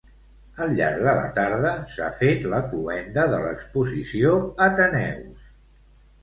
Al llarg de la tarda, s'ha fet la cloenda de l'exposició Ateneus.